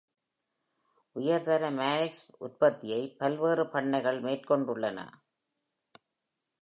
உயர்தர Manx உற்பத்தியை பல்வேறு பண்ணைகள் மேற்கொண்டுள்ளன.